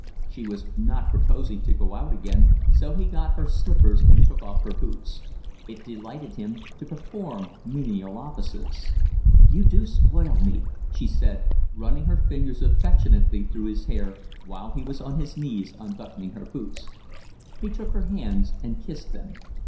She was not proposing to go out again, so he got her slippers and took off her boots. It delighted him to perform menial offices. "You do spoil me," she said, running her fingers affectionately through his hair, while he was on his knees unbuttoning her boots. He took her hands and kissed them.